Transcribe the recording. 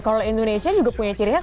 kalau indonesia juga punya ciri khas